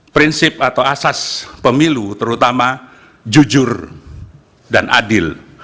prinsip atau asas pemilu terutama jujur dan adil